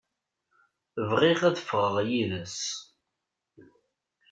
Bɣiɣ ad ffɣeɣ yid-s.